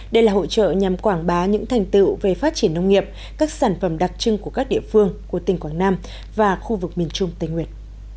đây là hội trợ nhằm quảng bá những thành tựu về phát triển nông nghiệp các sản phẩm đặc trưng của các địa phương của tỉnh quảng nam và khu vực miền trung tây nguyệt